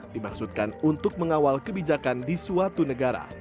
dimaksudkan untuk mengawal kebijakan di suatu negara